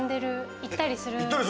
行ったりする。